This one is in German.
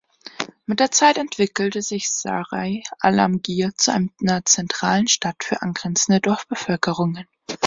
Mit der Zeit entwickelte sich Sarai Alamgir zu einer zentralen Stadt für angrenzende Dorfbevölkerungen.